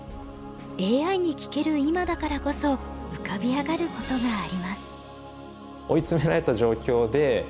ＡＩに聞ける今だからこそ浮かび上がることがあります。